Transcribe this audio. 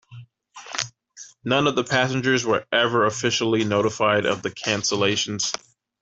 None of the passengers were ever officially notified of the cancellations.